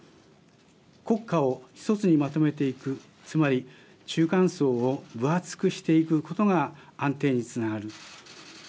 国家を一つにまとめていくつまり、中間層を分厚くしていくことが安定につながる。